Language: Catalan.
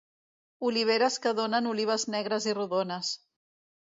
Oliveres que donen olives negres i rodones.